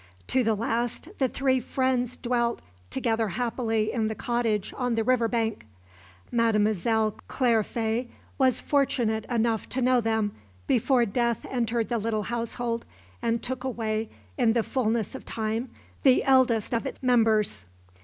To the last the three friends dwelt together happily in the cottage on the river bank. Mademoiselle Clairfait was fortunate enough to know them, before Death entered the little household and took away, in the fullness of time, the eldest of its members.